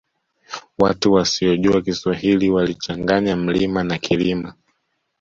Watu wasiyojua kiswahili walichanganya mlima na kilima